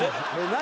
何？